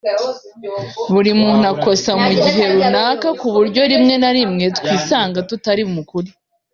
Buri muntu akosa mu gihe runaka ku buryo rimwe na rimwe twisanga tutari mu kuri